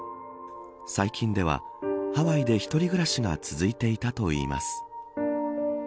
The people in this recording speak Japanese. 最近ではハワイでひとり暮らしが続いていたといいます。